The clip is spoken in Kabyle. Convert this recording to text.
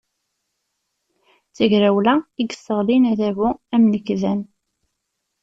D tagrawla i yesseɣlin adabu amnekdan.